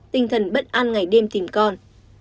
tinh thần bất an ngày đêm tìm con